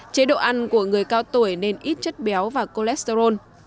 chế độ ăn của người cao tuổi nên ít chất béo và cholesterol